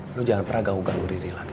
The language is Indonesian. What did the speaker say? lo jangan pernah ganggu riri lagi